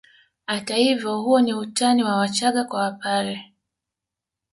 Hata hivyo huo ni utani wa Wachaga kwa Wapare